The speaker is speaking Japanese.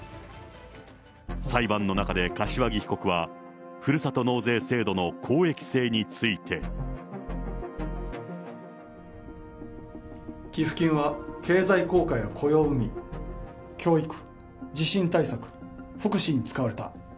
裁判の中で柏木被告は、ふるさと納税制度の公益性について。寄付金は経済効果や雇用を生み、教育、地震対策、福祉に使われた。